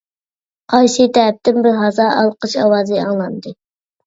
قارشى تەرەپتىن بىر ھازا ئالقىش ئاۋازى ئاڭلاندى.